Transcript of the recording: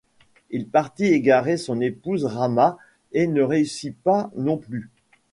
Il partit égarer son épouse Rahma et ne réussit pas non plus.